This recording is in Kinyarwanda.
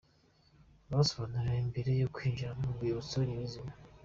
Basobanurirwa mbere yo kwinjira mu rwibutso nyirizina.